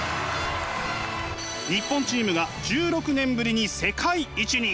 日本チームが１６年ぶりに世界一に！